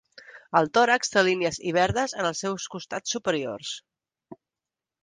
El tòrax té línies i verdes en els seus costats superiors.